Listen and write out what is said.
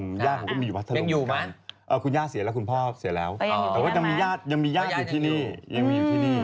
คุณย่าผมก็อยู่พัทธรุงเหมือนกันคุณย่าเสียแล้วคุณพ่อเสียแล้วแต่ว่ายังมีย่าอยู่ที่นี่